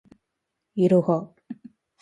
いろは